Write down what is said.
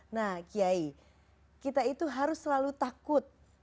nah k i kita itu harus selalu takut